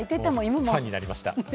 ファンになりました。